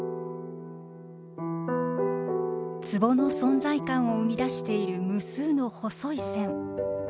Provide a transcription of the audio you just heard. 壺の存在感を生み出している無数の細い線。